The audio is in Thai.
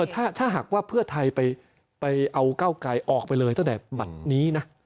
ถ้าหากว่าเพื่อไทยไปเอาก้าวไกลออกไปเลยตั้งแต่หมัดนี้นะ